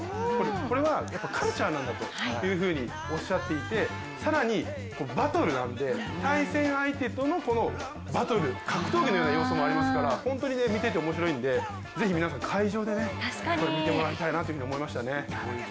これはやっぱりカルチャーなんだとおっしゃっていて更にバトルなんで、対戦相手とのバトル、格闘技のような要素もありますから、本当に見てて楽しいのでぜひ、皆さん会場で見てもらいたいなというふうに思いましたね。